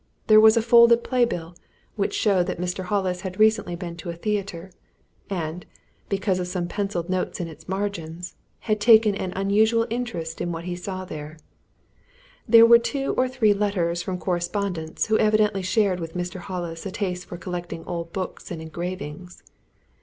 There was a folded playbill which showed that Mr. Hollis had recently been to a theatre, and because of some pencilled notes on its margins had taken an unusual interest in what he saw there. There were two or three letters from correspondents who evidently shared with Mr. Hollis a taste for collecting old books and engravings.